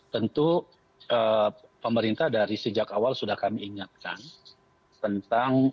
tentu pemerintah dari sejak awal sudah kami ingatkan tentang